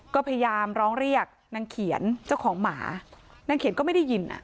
ก็พยายามร้องเรียกนางเขียนเจ้าของหมานางเขียนก็ไม่ได้ยินอ่ะ